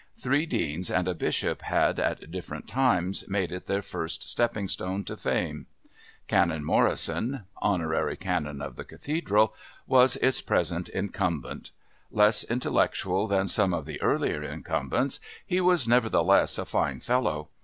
Three Deans and a Bishop had, at different times, made it their first stepping stone to fame. Canon Morrison (Honorary Canon of the Cathedral) was its present incumbent. Less intellectual than some of the earlier incumbents, he was nevertheless a fine fellow.